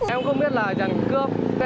em không biết là đàn cướp